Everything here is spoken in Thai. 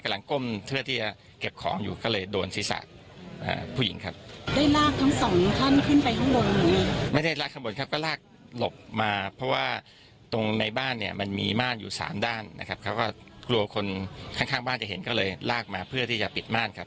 แล้วที่เอาผ้ามากบไว้